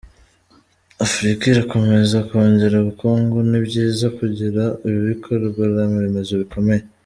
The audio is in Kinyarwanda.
Afurika irakomeza kongera ubukungu, ni byiza kugira ibikorwaremezo bikomeye.